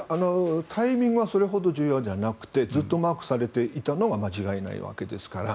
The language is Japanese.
タイミングはそれほど重要じゃなくてずっとマークされていたのは間違いないわけです。